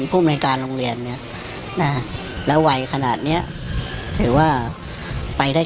ภูมิในการโรงเรียนเนี่ยนะฮะแล้ววัยขนาดเนี้ยถือว่าไปได้